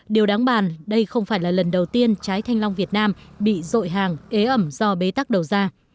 điều đáng bàn đây không phải là lần đầu tiên trái thanh long việt nam bị rội hàng ế ẩm do bế tắc đầu ra